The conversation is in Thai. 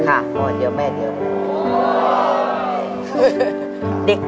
ค่ะพ่อเดียวแม่เดียวกันหมดเลย